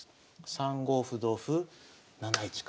３五歩同歩７一角。